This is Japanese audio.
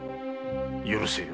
許せよ。